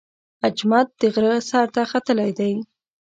اجمد د غره سر ته ختلی دی.